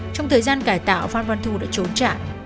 trong thời gian cải tạo phan văn thu đã trốn trạng